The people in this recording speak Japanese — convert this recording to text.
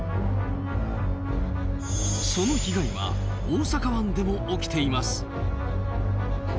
その被害は大阪湾でも起きています。